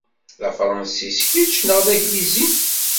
D Afransis kečč neɣ d Aglizi?